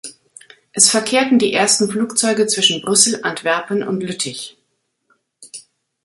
Es verkehrten die ersten Flugzeuge zwischen Brüssel, Antwerpen und Lüttich.